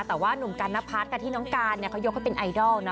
แต่ว่านุ่มกันนพัฒน์กับที่น้องการเขายกให้เป็นไอดอลนะ